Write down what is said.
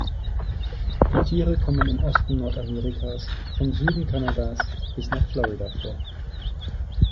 Die Tiere kommen im Osten Nordamerikas vom Süden Kanadas bis nach Florida vor.